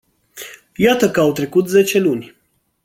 Iată că au trecut zece luni.